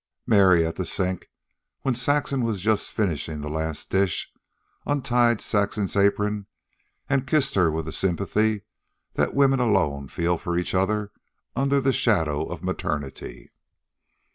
Mary, at the sink, where Saxon was just finishing the last dish, untied Saxon's apron and kissed her with the sympathy that women alone feel for each other under the shadow of maternity.